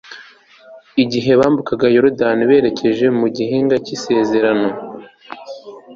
igihe bambukaga Yorodani berekeje mu Gihugu cyisezerano